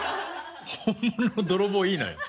本物の泥棒いいのよ。